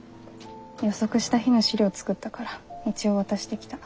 予測した日の資料作ったから一応渡してきた。